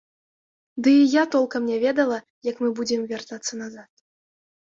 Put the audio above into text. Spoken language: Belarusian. Ды і я толкам не ведала, як мы будзем вяртацца назад.